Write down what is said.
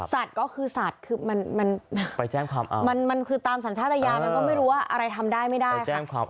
สัตว์ก็คือสัตว์คือมันคือตามสัญชาตญาณมันก็ไม่รู้ว่าอะไรทำได้ไม่ได้ค่ะ